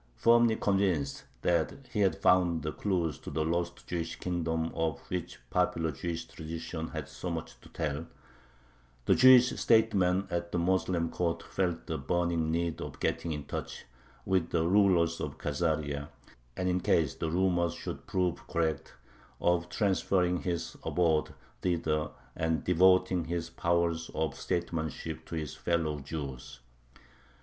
Firmly convinced that he had found the clue to the lost Jewish kingdom of which popular Jewish tradition had so much to tell, the Jewish statesman at the Moslem court felt the burning need of getting in touch with the rulers of Khazaria, and, in case the rumors should prove correct, of transferring his abode thither and devoting his powers of statesmanship to his fellow Jews.